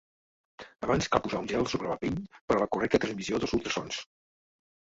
Abans cal posar un gel sobre la pell per a la correcta transmissió dels ultrasons.